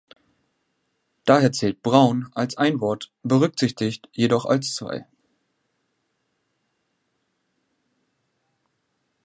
Daher zählt "braun" als ein Wort, "berücksichtigt" jedoch als zwei.